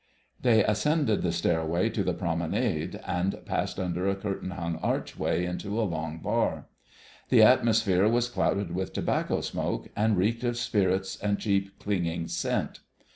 They ascended the stairway to the promenade, and passed under a curtain hung archway into a long bar. The atmosphere was clouded with tobacco smoke, and reeked of spirits and cheap, clinging scent.